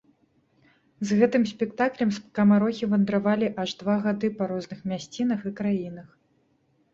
З гэтым спектаклем скамарохі вандравалі аж два гады па розных мясцінах і краінах.